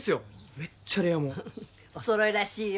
めっちゃレアもんお揃いらしいよ